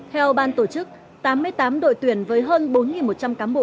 theo ban tổ chức tám mươi tám đội tuyển với hơn bốn một trăm linh cán bộ